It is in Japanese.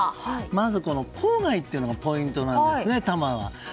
まず、この郊外というのがポイントなんですね、多摩は。